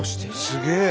すげえ！